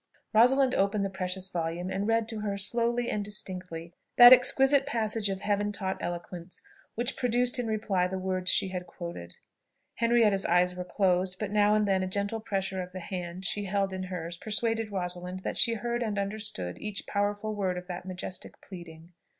'" Rosalind opened the precious volume, and read to her, slowly and distinctly, that exquisite passage of heaven taught eloquence, which produced in reply the words she had quoted. Henrietta's eyes were closed; but now and then a gentle pressure of the hand she held in hers persuaded Rosalind that she heard and understood each powerful word of that majestic pleading.